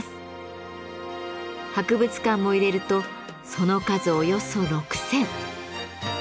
博物館も入れるとその数およそ６，０００。